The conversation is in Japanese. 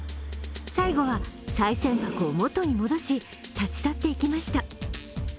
最後はさい銭箱を元に戻し立ち去っていきました。